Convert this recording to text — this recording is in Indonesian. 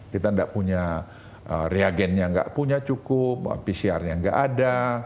kita nggak punya reagentnya nggak punya cukup pcrnya nggak ada